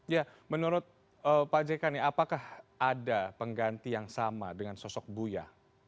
ya menurut pak jk apakah ada pengganti yang sama dengan sosok buya